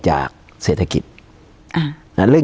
การแสดงความคิดเห็น